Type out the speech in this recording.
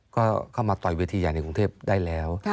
ก็เข้ามาต่อยเวทีใหญ่ในกรุงเทพได้แล้ว